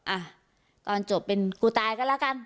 อ่ะตอนจบเป็นกูตายก็แล้วกัน